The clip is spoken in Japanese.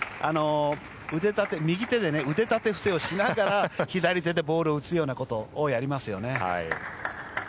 右手で腕立て伏せをしながら左手でボールを打つようなことをやりますよね。